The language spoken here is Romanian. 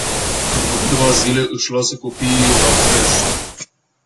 După câteva zile, își lasă copiii la creșă.